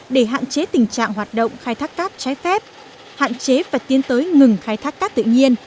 để hạn chế tình trạng hoạt động khai thác cát trái phép hạn chế và tiến tới ngừng khai thác cát tự nhiên